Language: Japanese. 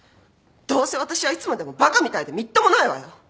どうせ私はいつまでもバカみたいでみっともないわよ！